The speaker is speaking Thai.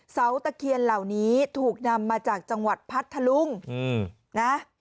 ตะเคียนเหล่านี้ถูกนำมาจากจังหวัดพัทธลุงนะ